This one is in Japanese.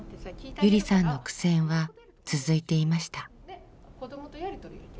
ゆりさんの苦戦は続いていました。